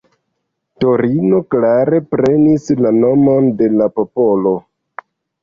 Torino klare prenis la nomon de la popolo.